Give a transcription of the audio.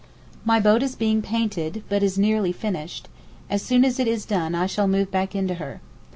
My boat is being painted, but is nearly finished; as soon as it is done I shall move back into her.